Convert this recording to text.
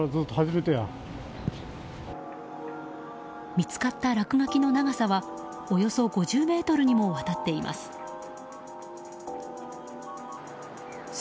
見つかった落書きの長さはおよそ５０ｍにもわたっています。